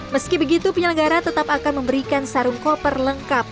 meski begitu penyelenggara tetap akan memberikan sarung koper lengkap